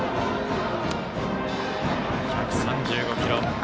１３５キロ。